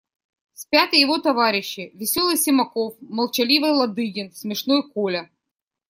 Спят и его товарищи: веселый Симаков, молчаливый Ладыгин, смешной Коля.